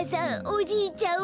おじいちゃん